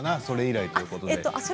それ以来いうことで。